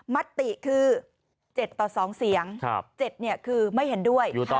มติคือ๗ต่อ๒เสียง๗คือไม่เห็นด้วย